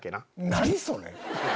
何それ。